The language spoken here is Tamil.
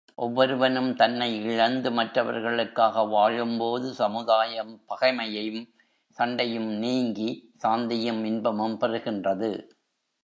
ஒவ்வொருவனும் தன்னை இழந்து மற்றவர்களுக்காக வாழும்போது, சமுதாயம் பகைமையும், சண்டையும் நீங்கி, சாந்தியும் இன்பமும் பெறுகின்றது.